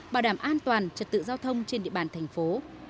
bảo đảm an toàn trật tự giao thông trên địa bàn thành phố